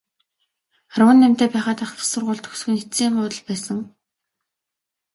Арван наймтай байхад ахлах сургууль төгсөх нь эцсийн буудал байсан.